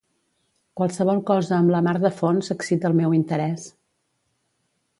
Qualsevol cosa amb la mar de fons excita el meu interès.